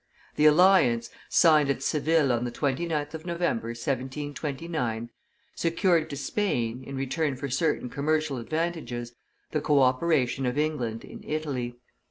The alliance, signed at Seville on the 29th of November, 1729, secured to Spain, in return for certain commercial advantages, the co operation of England in Italy.